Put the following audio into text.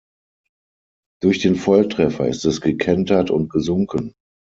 Durch den Volltreffer ist es gekentert und gesunken.